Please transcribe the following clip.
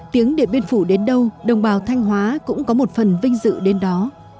tiếng điện biên phủ đến đâu đồng bào thanh hóa cũng có một phần vinh dự đến đó